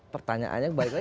pertanyaannya kembali lagi